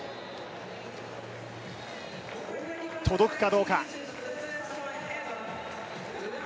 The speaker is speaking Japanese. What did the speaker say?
届くかどうか。